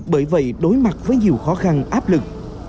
bởi vậy đối mặt với nhiều khó khăn áp lực